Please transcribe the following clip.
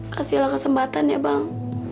kasih ela kesempatan ya bang